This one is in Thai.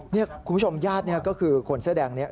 นี่คุณผู้ชมญาตินี่ก็คือคนเสื้อแดงนี้